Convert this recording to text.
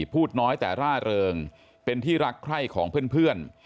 พูดน้อยแต่ร่าเริงเป็นที่รักใคร่ของเพื่อน